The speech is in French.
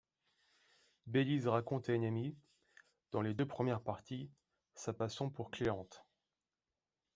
Bélise raconte à une amie, dans les deux premières parties, sa passion pour Cléante.